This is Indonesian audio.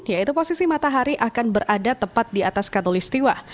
yaitu posisi matahari akan berada tepat di atas katolistiwa